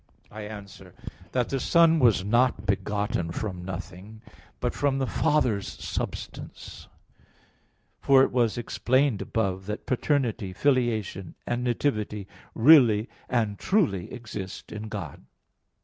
I answer that, The Son was not begotten from nothing, but from the Father's substance. For it was explained above (Q. 27, A. 2; Q. 33, AA. 2 ,3) that paternity, filiation and nativity really and truly exist in God.